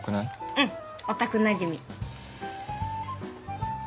うんヲタクなじみ。